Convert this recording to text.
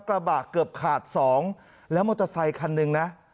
กระบะเกือบขาดสองแล้วมันจะใส่คันหนึ่งนะ